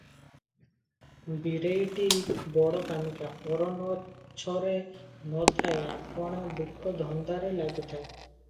ବୀରେଇଟି ବଡ କାମିକା, ପର ନ-ଛରେ ନ ଥାଏ, ଆପଣା ଦୁଃଖ ଧନ୍ଦାରେ ଲାଗିଥାଏ ।